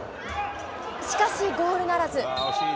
しかしゴールならず。